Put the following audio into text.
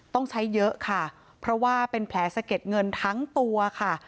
ต้องใช้เยอะค่ะเพราะว่าเป็นแผลสะเก็ดเงินทั้งตัวค่ะ